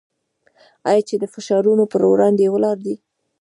آیا چې د فشارونو پر وړاندې ولاړ دی؟